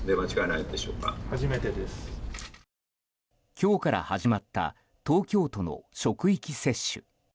今日から始まった東京都の職域接種。